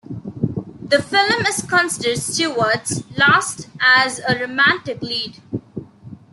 The film is considered Stewart's last as a romantic lead.